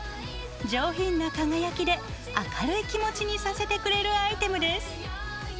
上品な輝きで明るい気持ちにさせてくれるアイテムです。